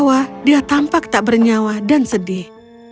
setelah tertawa dia tampak tak bernyawa dan sedih